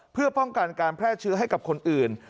เพื่อป้องกันการแพร่เชื้อให้กับคนอื่น